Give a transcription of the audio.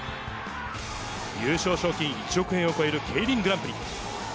優勝賞金１億円を超えるケイリングランプリ。